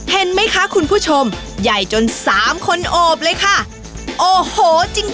เห็นไหมคะคุณผู้ชมใหญ่จนสามคนโอบเลยค่ะโอ้โหจริง